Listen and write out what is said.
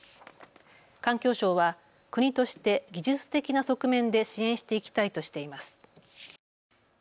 環境省は国として技術的な側面で支援していきたいとしています。